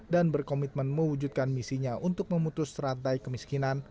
dan berkomitmen mewujudkan misinya untuk memutus rantai kemiskinan